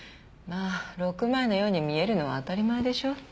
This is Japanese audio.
まあ６枚のように見えるのは当たり前でしょ？